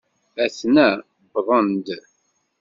Aten-a wwḍen-d!